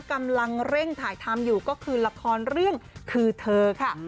กำลังเร่งถ่ายทำอยู่ก็คือละครเรื่องคือเธอค่ะ